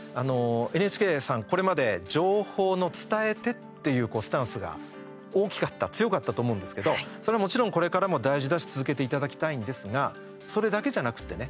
ＮＨＫさん、これまで情報の伝え手っていうスタンスが大きかった、強かったと思うんですけど、それはもちろんこれからも大事だし続けていただきたいんですがそれだけじゃなくてね